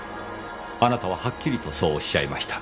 あなたははっきりとそうおっしゃいました。